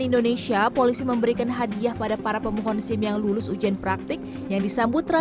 indonesia polisi memberikan hadiah pada para pemohon sim yang lulus ujian praktik yang disambut